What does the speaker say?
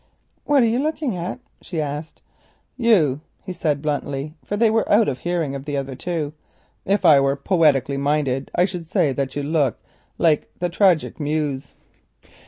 "What are you looking at?" she asked. "You," he said bluntly, for they were out of hearing of the other two. "If I were poetically minded I should say that you looked like the Tragic Muse."